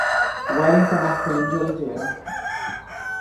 Wellington Marcolino de Oliveira